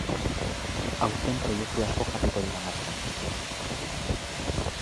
Aurten proiektu asko jarriko dira martxan.